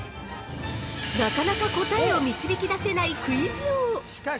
なかなか答えを導き出せないクイズ王。